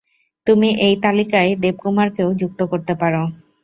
তুমি এই তালিকায় দেবকুমারকেও যুক্ত করতে পারো।